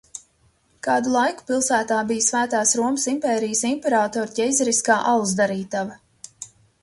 Kādu laiku pilsētā bija Svētās Romas impērijas imperatora ķeizariskā alus darītava.